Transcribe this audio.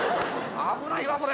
危ないわそれ。